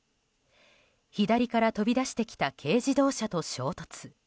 左から飛び出してきた軽自動車と衝突。